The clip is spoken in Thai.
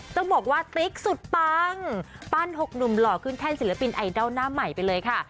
ต้องบอกว่าติ๊กสุดปังปั้น๖หนุ่มหล่อขึ้นแท่นศิลปินไอดอลหน้าใหม่ไปเลยค่ะ